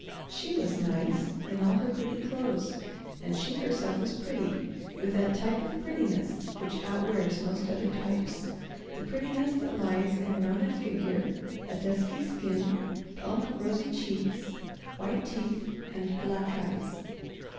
She was "nice" in all her pretty clothes, and she herself was pretty with that type of prettiness which outwears most other types—the prettiness that lies in a rounded figure, a dusky skin, plump, rosy cheeks, white teeth and black eyes.